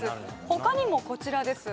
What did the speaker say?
他にもこちらです